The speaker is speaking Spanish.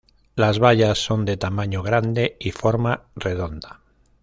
Las bayas son de tamaño grande y forma redonda.